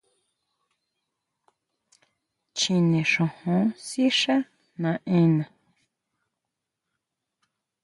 Chinexjó sixá naʼenna.